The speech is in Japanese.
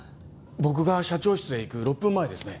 僕が社長室へ行く６分前ですね。